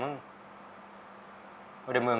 ชื่อฟอยแต่ไม่ใช่แฟง